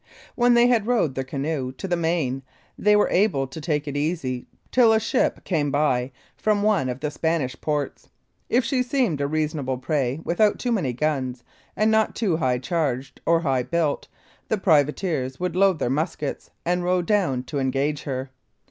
When they had rowed their canoa to the Main they were able to take it easy till a ship came by from one of the Spanish ports. If she seemed a reasonable prey, without too many guns, and not too high charged, or high built, the privateers would load their muskets, and row down to engage her.